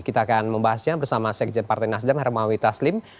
kita akan membahasnya bersama sekjen partai nasdem hermawi taslim